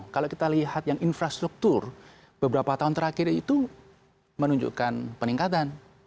kalau kita lihat yang infrastruktur beberapa tahun terakhir itu menunjukkan peningkatan